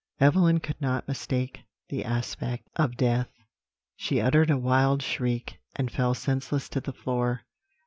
"Evelyn could not mistake the aspect of death; she uttered a wild shriek, and fell senseless to the floor.